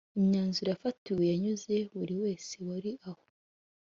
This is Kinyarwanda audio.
Imyanzuro yafatiwemo yanyuze buri wese wari aho